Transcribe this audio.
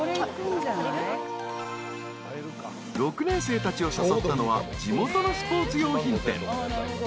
［６年生たちを誘ったのは地元のスポーツ用品店］